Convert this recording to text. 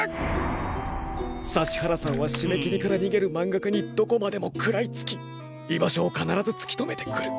指原さんはしめきりからにげるまんがかにどこまでも食らいつき居場所を必ずつきとめてくる。